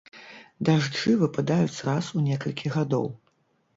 Дажджы выпадаюць раз у некалькі гадоў.